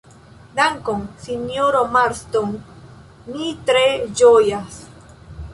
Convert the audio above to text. Dankon, sinjoro Marston, mi tre ĝojas.